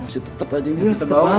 masih tetep aja ini kita bawa